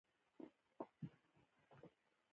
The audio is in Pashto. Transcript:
خلک ګران بیه او بې ګټې توکي نه پېري